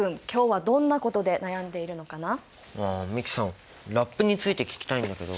あっ美樹さんラップについて聞きたいんだけど。